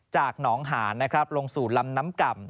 จากหนองหาลงสู่ลำน้ำก่ำ